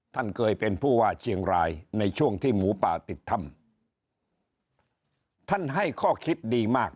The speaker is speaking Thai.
ท่านเคยเป็นผู้ว่าเชียงรายในช่วงที่หมูป่าติดถ้ำท่านให้ข้อคิดดีมาก